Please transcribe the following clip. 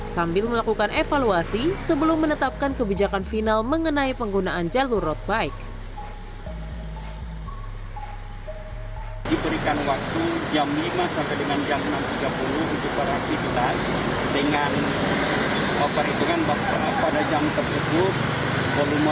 sambil melakukan evaluasi sebelum menetapkan kebijakan final mengenai penggunaan jalur road bike